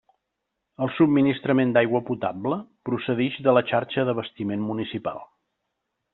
El subministrament d'aigua potable procedix de la xarxa d'abastiment municipal.